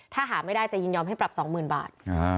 ถ้าหาไม่ได้จะยืนยอมให้ปรับสองหมื่นบาท